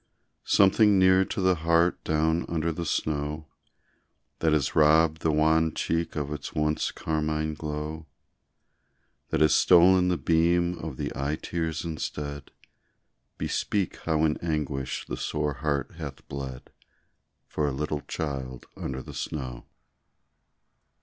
Something near to the heart down under the snow, That has robbed the wan cheek of its once carmine glow, That has stolen the beam of the eye tears instead Bespeak how in anguish the sore heart hath bled For a little child under the snow.